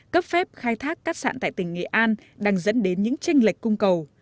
cấp phép khai thác cát sạn tại tỉnh nghệ an đang dẫn đến những tranh lệch cung cầu